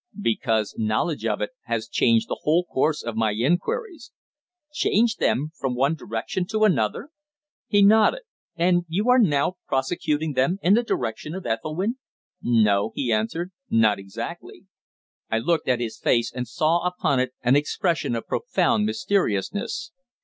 "Because knowledge of it has changed the whole course of my inquiries." "Changed them from one direction to another?" He nodded. "And you are now prosecuting them in the direction of Ethelwynn?" "No," he answered. "Not exactly." I looked at his face, and saw upon it an expression of profound mysteriousness.